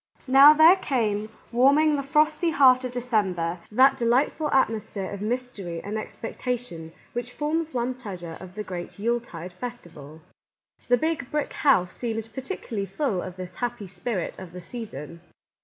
Now there came, warming the frosty heart of December, that delightful atmosphere of mystery and expectation which forms one pleas ure of the great Yule tide festival. The Big Brick House seemed particularly full of this happy spirit of the season.